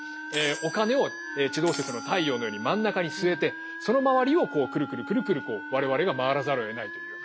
お金を地動説の太陽のように真ん中に据えてその周りをこうくるくるくるくる我々が回らざるをえないというような。